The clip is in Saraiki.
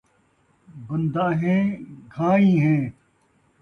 بندہ ہیں گھائیں ہیں